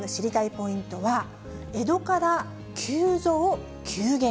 ポイントは、江戸から急増、急減。